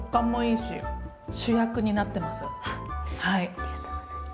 ありがとうございます！